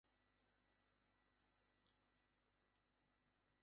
বিদ্যালয়ের ফলাফল লৌহজং উপজেলার মধ্যে ভালো।